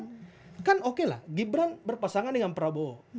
gimana lah gibran berpasangan dengan prabowo